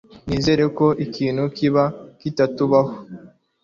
Nizere ko ikintu kibi kitatubaho